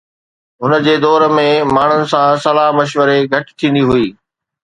هن جي دور ۾ ماڻهن سان صلاح مشوري گهٽ ٿيندي هئي.